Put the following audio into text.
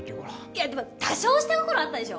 いやでも多少下心あったでしょ？